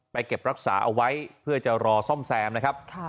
เก็บรักษาเอาไว้เพื่อจะรอซ่อมแซมนะครับ